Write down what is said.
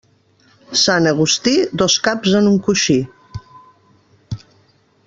Sant Agustí, dos caps en un coixí.